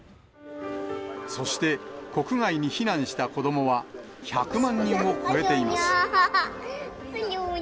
そして国外に避難した子どもは、１００万人を超えています。